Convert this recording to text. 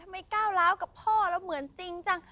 ทำไมก้าวร้าวกับพ่อเราเหมือนจริงจัง